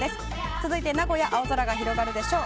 続いて、名古屋青空が広がるでしょう。